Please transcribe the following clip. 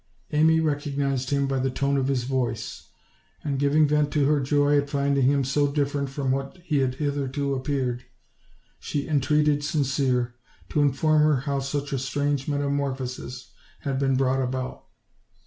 Amy recognized him by the tone of his voice, and giv ing vent to her joy at finding him so different from what he had hitherto appeared, she entreated Sincere to in form her how such a strange metamorphosis had been brought about.